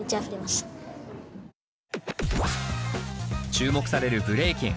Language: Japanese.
注目されるブレイキン。